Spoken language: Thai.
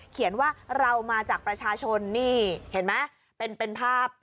เขียนว่าเรามาจากประชาชนนี่เห็นไหม